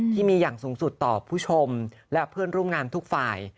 ที่มีอย่างสูงสุดต่อผู้ชมและเพื่อนร่วมงานทุกฝ่าย